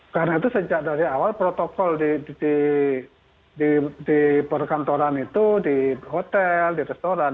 karena itu sejak dari awal protokol di perkantoran itu di hotel di restoran